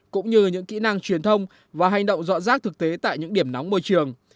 cũng như những kỹ năng truyền thông và hành động dọn rác thực tế tại những điểm nóng môi trường